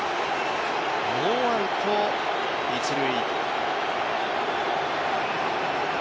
ノーアウトで一塁。